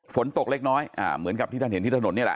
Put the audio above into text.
ฝนตกเล็กน้อยเหมือนกับที่ท่านเห็นที่ถนนนี่แหละ